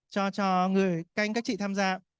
cho người kênh các chị tham gia